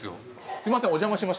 すいませんお邪魔しました。